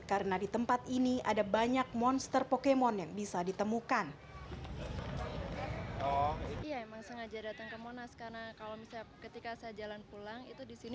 karena di tempat ini ada banyak monster pokemon yang bisa ditemukan